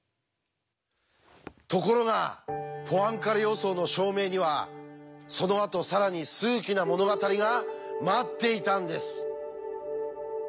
ところがポアンカレ予想の証明にはそのあと更に数奇な物語が待っていたんです。